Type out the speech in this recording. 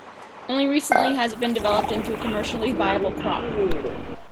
Only recently has it been developed into a commercially viable crop.